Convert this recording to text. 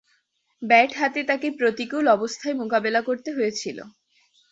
Bat হাতে তাকে প্রতিকূল অবস্থায় মোকাবেলা করতে হয়েছিল।